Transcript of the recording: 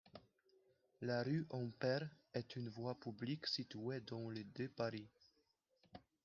La rue Ampère est une voie publique située dans le de Paris.